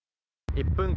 「１分！